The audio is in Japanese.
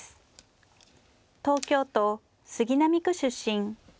東京都杉並区出身。